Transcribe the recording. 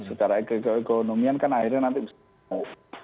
secara ekonomi kan akhirnya nanti bisa mau